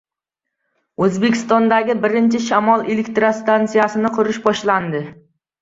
O‘zbekistondagi birinchi shamol elektrostantsiyasini qurish boshlandi